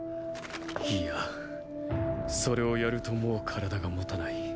いやそれをやるともう体がもたない。